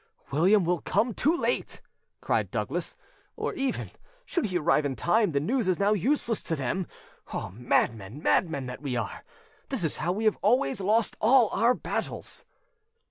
"William will come too late!" cried Douglas, "or even, should he arrive in time, the news is now useless to them. Oh madmen, madmen that we are! This is how we have always lost all our battles!"